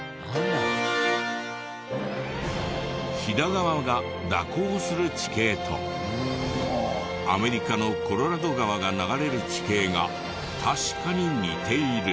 飛騨川が蛇行する地形とアメリカのコロラド川が流れる地形が確かに似ている。